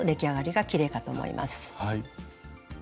はい。